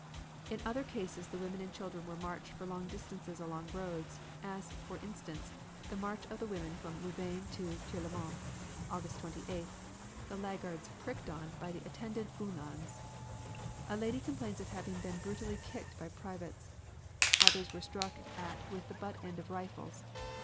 In other cases the women and children were marched for long distances along roads, as, for instance, the march of the women from Louvain to Tirlemont, August 28th, the laggards pricked on by the attendant Uhlans. A lady complains of having been brutally kicked by privates. Others were struck at with the butt end of rifles.